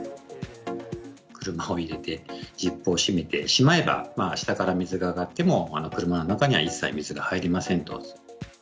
車を入れてジップを閉めてしまえば、下から水が上がっても、車の中には一切水が入りませんと。